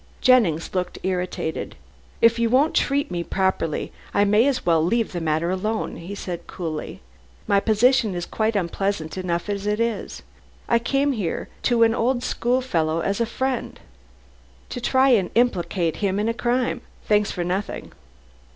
Jennings looked irritated. "If you won't treat me properly, I may as well leave the matter alone," he said coldly. "My position is quite unpleasant enough as it is. I came here to an old schoolfellow as a friend " "To try and implicate him in a crime. Thanks for nothing."